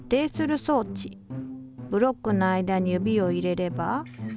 ブロックの間に指を入れれば。